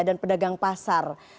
dan pedagang pasar